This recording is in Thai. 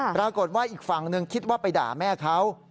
ปรากฏว่าอีกฝั่งนึงคิดว่าไปด่าแม่เขา